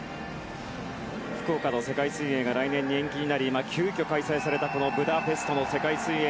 福岡の世界水泳が来年に延期になり急きょ開催されたブダペストの世界水泳。